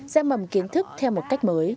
dạy mầm kiến thức